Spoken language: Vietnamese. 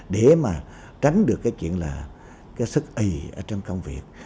để mà tránh được cái chuyện là cái sức ý ở trong công việc